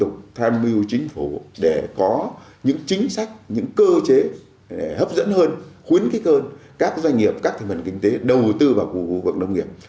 các doanh nghiệp đầu tư vào khu vực nông nghiệp